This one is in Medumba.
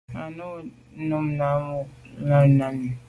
À nu am à num na màa nô num nà i.